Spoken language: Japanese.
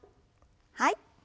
はい。